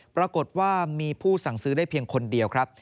ปรากฏว่ามีผู้สั่งซื้อได้เพียงคนเดียวครับ